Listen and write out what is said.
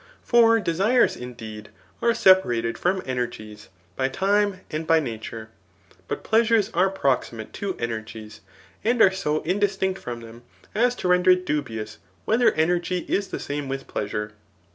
For desirefl^ indeed, are separated [from energies,] by times, aod by nature; but pleasures are proximstfe to energies, aad are so indistmct from them, as to render it dubious, whe* ther energy is the same with pleasure.